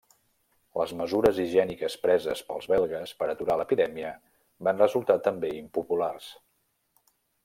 Les mesures higièniques preses pels belgues per aturar l'epidèmia van resultar també impopulars.